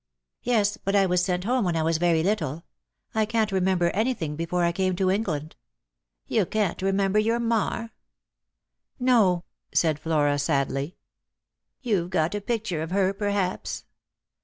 " Yes, but I was sent home when I was very little. I can't remember anything before I came to England." " You can't remember your mar ?"" No,'' said Flora sadly. " You've got a picture of her, perhaps